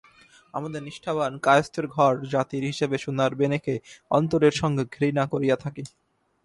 আমাদের নিষ্ঠাবান কায়স্থের ঘর–জাতি হিসেবে সোনার-বেনেকে অন্তরের সঙ্গে ঘৃণা করিয়া থাকি।